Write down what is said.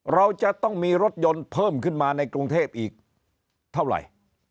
เราจะต้องมีรถยนต์เพิ่มขึ้นมาในกรุงเทพอีกเท่าไหร่